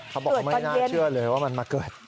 เขาบอกว่าไม่น่าเชื่อเลยว่ามันมาเกิด